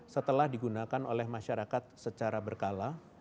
setelah digunakan oleh masyarakat secara berkala